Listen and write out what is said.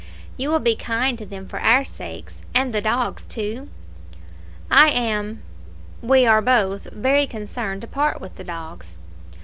"You will be kind to them for our sakes, and the dogs, too. I am we are both very concerned to part with the dogs."